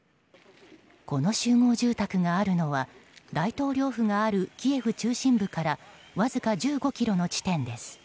この集合住宅があるのは大統領府があるキエフ中心部からわずか１５ｋｍの地点です。